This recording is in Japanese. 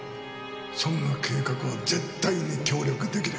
そんな計画は絶対に協力できない。